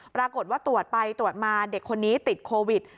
ปรากฏว่าตรวจไปตรวจมาเด็กคนนี้ติดโควิด